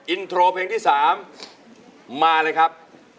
อินโทรเพลงที่๓มาเลยครับ